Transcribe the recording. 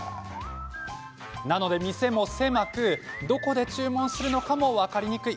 なので店も狭く、どこで注文するのかも分かりにくい。